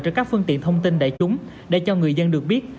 trên các phương tiện thông tin đại chúng để cho người dân được biết